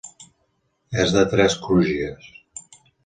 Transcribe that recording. És de tres crugies.